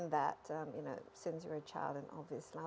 karena anda adalah anak kecil dan jelas sekarang